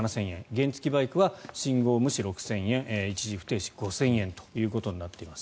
原付きバイクは信号無視、６０００円一時不停止５０００円となっています。